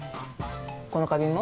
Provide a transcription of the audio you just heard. この花瓶も？